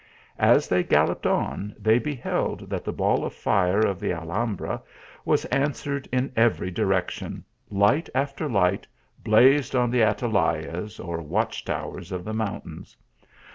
As they galloped on, they beheld that the ball of fire of the Alhambra was answered in every direction ; light after light blazed on the atalayas or watch towers of the mountains.